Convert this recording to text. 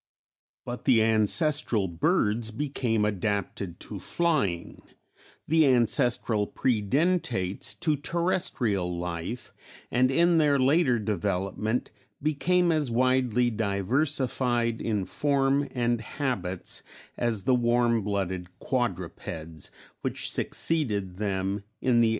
But the ancestral birds became adapted to flying, the ancestral Predentates to terrestrial life, and in their later development became as widely diversified in form and habits as the warm blooded quadrupeds which succeeded them in the Age of Mammals.